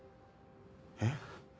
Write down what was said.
えっ？